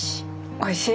おいしい？